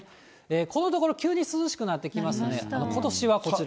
このところ、急に涼しくなってきますので、ことしはこちら。